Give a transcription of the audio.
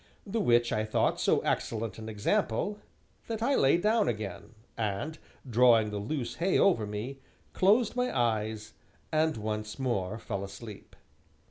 The which I thought so excellent an example that I lay down again, and, drawing the loose hay over me, closed my eyes, and once more fell asleep.